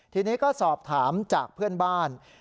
ทีนี้ก็สอบถามจากเพื่อนบ้าน